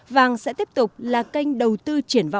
vàng sẽ tiếp tục là kênh đầu tư